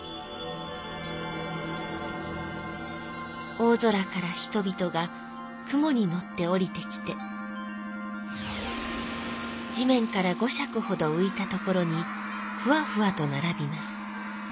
「大空から人々が雲に乗って下りて来て地めんから五尺ほどういたところにふわふわとならびます。